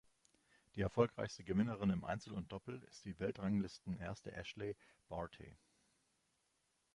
Die erfolgreichste Gewinnerin im Einzel und Doppel ist die Weltranglistenerste Ashleigh Barty.